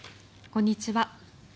こんにちは。